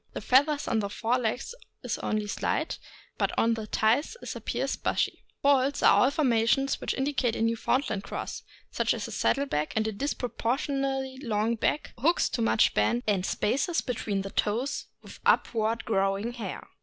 The feather on the fore legs is only slight, but on the thighs it appears bushy. Faults are all formations which indicate a Newfound land cross, such as a saddle back and a disproportionately long back, hocks too much bent, and spaces between the toes with upward growing hair.